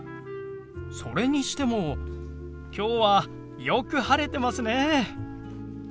それにしても今日はよく晴れてますね。